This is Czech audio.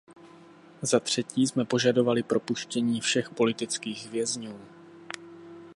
Zatřetí jsme požadovali propuštění všech politických věznů.